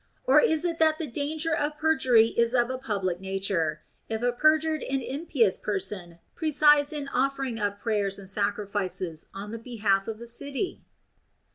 Or is it that the danger of perjury is of a public nature, if a per jured and impious person presides in offering up prayers and sacrifices on the behalf of the city